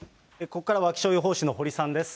ここからは、気象予報士の堀さんです。